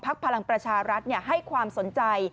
ภาคพลังประชารัฐเนี่ยให้ความสนใจ